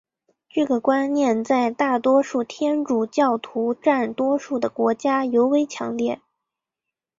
这个观念在大多数天主教徒占多数的国家尤为强烈。